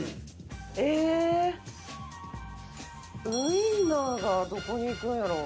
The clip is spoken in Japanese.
ええっウインナーがどこにいくんやろ？